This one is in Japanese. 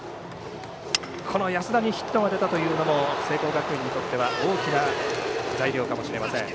安田にヒットが出たというのも聖光学院にとっては大きな材料かもしれません。